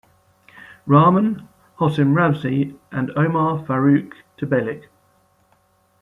Rahman, Hossam Ramzy and Omar Faruk Tekbilek.